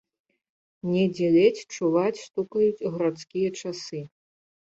Недзе ледзь чуваць стукаюць гарадскія часы.